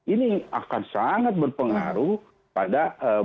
ini akan sangat berpengaruh pada